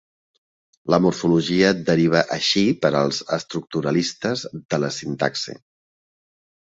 La morfologia deriva així, per als estructuralistes, de la sintaxi.